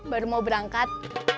baru mau berangkat